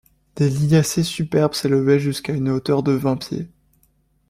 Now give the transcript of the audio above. Des liliacées superbes s’élevaient jusqu’à une hauteur de vingt pieds.